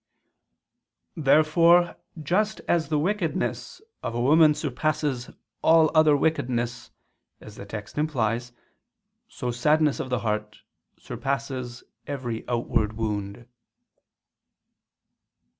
Therefore, just as the wickedness of a woman surpasses all other wickedness, as the text implies; so sadness of the heart surpasses every outward wound.